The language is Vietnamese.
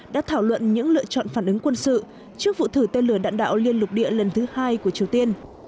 đã thảo luận những lựa chọn phản ứng quân sự trước vụ thử tên lửa đạn đạo liên lục địa lần thứ hai của triều tiên